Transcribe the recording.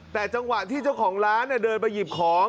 แต่จังหวะที่เจ้าของร้านเดินไปหยิบของ